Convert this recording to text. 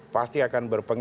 pasti akan berpegang